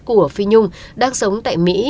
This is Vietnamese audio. của phi nhung đang sống tại mỹ